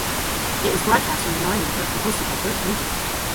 It was broadcast on the Nine Network and hosted by Bert Newton.